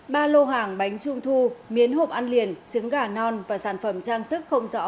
ba lô hàng bánh trung thu miến hộp ăn liền trứng gà non và sản phẩm trang sức không rõ